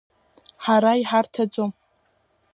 Ҳара иҳарҭаӡом.